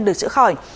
được chữa khỏi